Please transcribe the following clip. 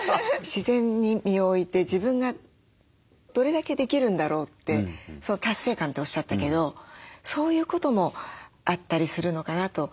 自然に身を置いて自分がどれだけできるんだろうって達成感っておっしゃったけどそういうこともあったりするのかなと。